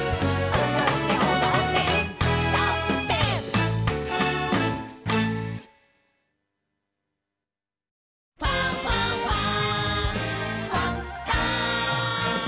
「おどっておどってタップステップ」「ファンファンファン」